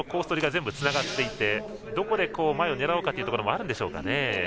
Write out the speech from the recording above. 取りが全部つながっていてどこで前を狙おうかというところあるんでしょうかね。